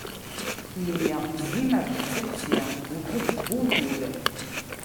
Neyya n tzimert d tixsi, lxuf n uwtul.